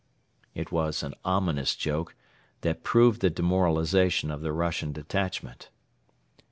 It was an ominous joke that proved the demoralization of the Russian detachment.